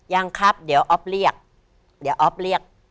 ยังครับเดี๋ยวอ๊อฟเรียก